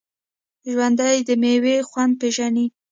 ژوندي د میوې خوند پېژني